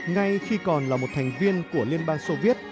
ngay khi còn là một thành viên của liên bang soviet